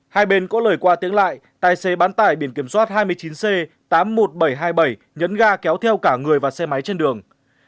hai bên có lời qua tiếng lại tài xế bán tải biển kiểm soát hai mươi chín c tám mươi một nghìn bảy trăm hai mươi bảy nhấn ga kéo theo cả người và xe máy trên đường